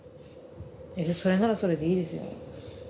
それならそれでいいですよ。